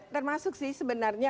termasuk sih sebenarnya